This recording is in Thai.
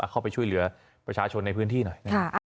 เข้าไปช่วยเหลือประชาชนในพื้นที่หน่อย